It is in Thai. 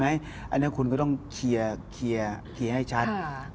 อันนี้คุณก็ต้องเคลียร์ให้ชัด